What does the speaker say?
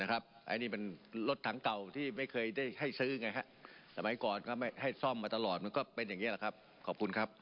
ก็เป็นอย่างเงี้ยแหละครับขอบคุณครับ